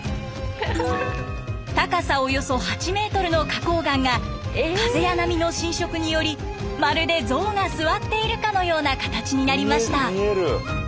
高さおよそ８ｍの花こう岩が風や波の浸食によりまるで象が座っているかのような形になりました。